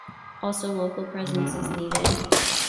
Also, local presence is needed.